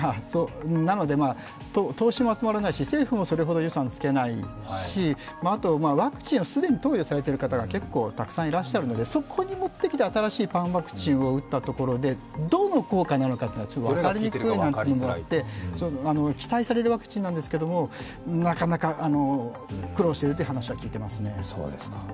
なので投資も集まらないし政府もそれほど予算をつけないしあとワクチンを既に投与されている方が結構たくさんいらっしゃるので、そこに持ってきて新しいパンワクチンを打ったところでどの効果があるのかというのが分かりにくいというところがあって期待されるワクチンなんですけど、なかなか苦労しているという話を聞いていますね。